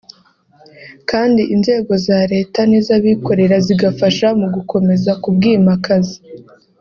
kandi inzego za leta n’iz’abikorera zigafasha mu gukomeza kubwimakaza